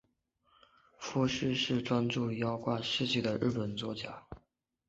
夫婿是专注妖怪事迹的日本作家。